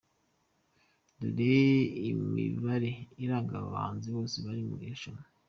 Dore imibare iranga aba bahanzi bose bari mu irushanwa:.